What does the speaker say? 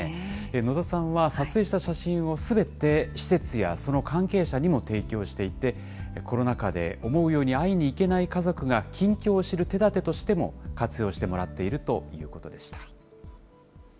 野田さんは撮影した写真をすべて施設やその関係者にも提供していて、コロナ禍で思うように会いに行けない家族が、近況を知る手だてとしても活用してもらっているということでした。